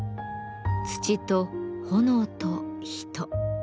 土と炎と人。